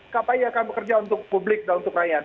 kpi akan bekerja untuk publik dan untuk rakyat